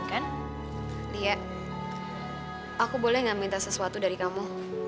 hai aku boleh minta sesuatu dari kamu